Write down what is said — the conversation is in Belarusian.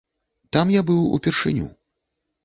Там я быў упершыню.